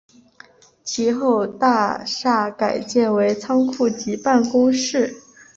其后大厦改建为仓库及办公室。